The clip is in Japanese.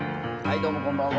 どうもこんばんは。